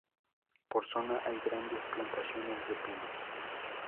Por zona hay grandes plantaciones de pinos.